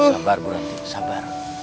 sabar bu ranti sabar